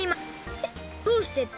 えっどうしてって？